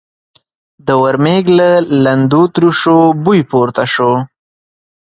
د ورمېږ له لندو تروشو بوی پورته شو.